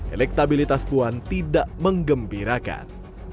elektabilitas puan tidak menggembirakan